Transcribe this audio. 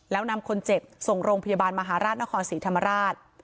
แล้วนำคนเจ็บส่งโรงพยาบาลมหาราชนครศรีธรรมราช